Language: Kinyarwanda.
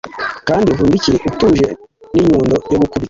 Kandi uhindukire utuje; n'inyundo yo gukubita